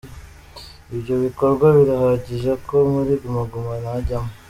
Ibyo bikorwa birahagije ko muri Guma Guma najyamo.